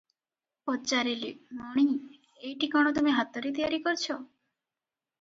ପଚାରିଲେ "ମଣି! ଏଇଟି କଣ ତୁମେ ହାତରେ ତିଆରି କରିଚ?"